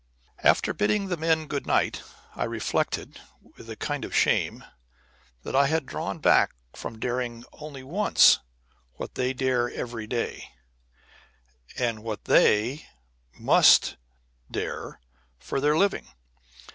After bidding the men good night I reflected, with a kind of shame, that I had drawn back from daring only once what they dare every day, what they must dare for their living.